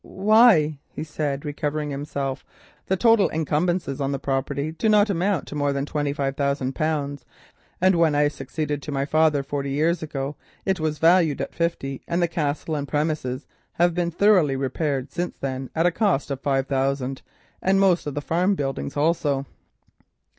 "Why," he said, recovering himself, "the total encumbrances on the property do not amount to more than twenty five thousand pounds, and when I succeeded to my father, forty years ago, it was valued at fifty, and the Castle and premises have been thoroughly repaired since then at a cost of five thousand, and most of the farm buildings too."